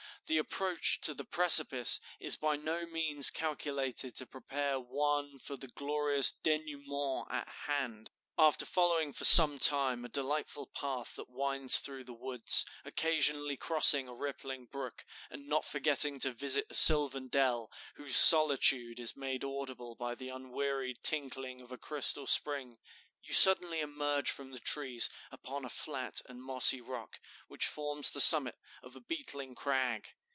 The approach to the precipice is by no means calculated to prepare one for the glorious dénouement at hand. After following for some time a delightful path that winds through the woods, occasionally crossing a rippling brook, and not forgetting to visit a sylvan dell, whose solitude is made audible by the unwearied tinkling of a crystal spring, you suddenly emerge from the trees upon a flat and mossy rock, which forms the summit of a beetling crag.